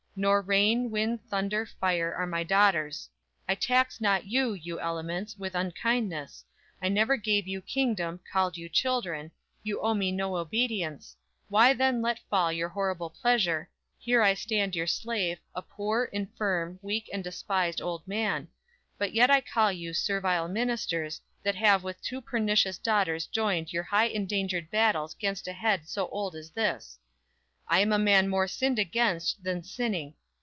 Nor rain, wind, thunder, fire, are my daughters; I tax not you, you elements, with unkindness, I never gave you kingdom, called you children, You owe me no obedience; why then let fall Your horrible pleasure; here I stand your slave, A poor, infirm, weak and despised old man; But yet I call you servile ministers, That have with two pernicious daughters joined Your high engendered battles 'gainst a head So old as this! I am a man more sinned against Than sinning